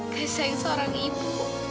kesayangan seorang ibu